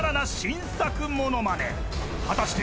［果たして］